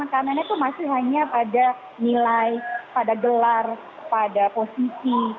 karena itu masih hanya pada nilai pada gelar pada posisi